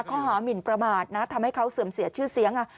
ข้อหามินประมาทนะทำให้เขาเสื่อมเสียชื่อเสียง